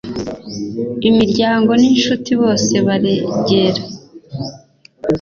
imiryango ninshuti bose baregera